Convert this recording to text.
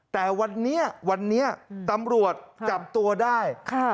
แต่วันนี้ตำรวจจับตัวได้